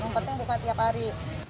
yang penting buka tiap hari